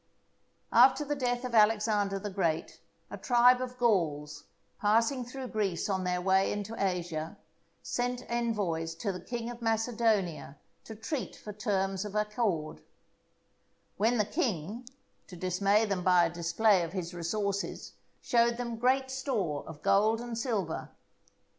After the death of Alexander the Great a tribe of Gauls, passing through Greece on their way into Asia, sent envoys to the King of Macedonia to treat for terms of accord; when the king, to dismay them by a display of his resources, showed them great store of gold and silver.